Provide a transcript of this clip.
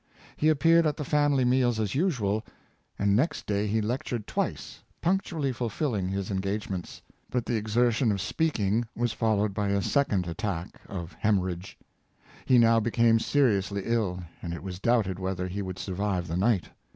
He appeared at the family meals as usual, and next day he lectured twice, punctually fulfilling his engagements; but the exertion of speaking was followed by a second attack of hem orrhage. He now became seriously ill, and it was doubted whether he would survive the night.